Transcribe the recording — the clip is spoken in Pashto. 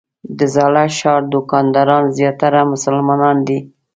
د زاړه ښار دوکانداران زیاتره مسلمانان دي.